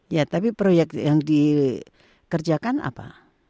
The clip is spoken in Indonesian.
ya tapi proyek yang dikerjakan apa